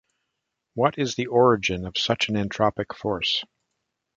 What is the origin of such an entropic force?